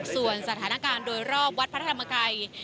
ส่วนสถานการณ์โดยรอบวัดพระธรรมกาย